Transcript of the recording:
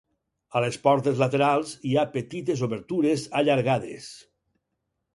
A les portes laterals hi ha petites obertures allargades.